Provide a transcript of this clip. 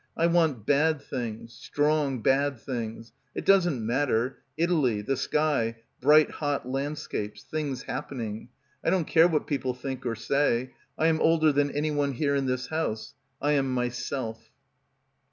I want bad things — strong bad things. ... It doesn't matter, Italy, the sky, bright hot landscapes, things happening. I don't care what people think or say. I am older than anyone here in this house. I am myself.